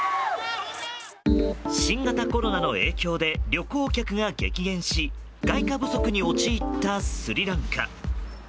新型コロナの影響で旅行客が激減し外貨不足に陥ったスリランカ。